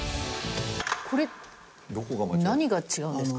これ何が違うんですか？